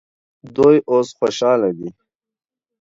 دوی اوس خوشحاله دي.